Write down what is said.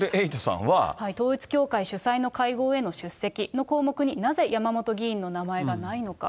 統一教会主催の会合への出席の項目になぜ、山本議員の名前がないのか。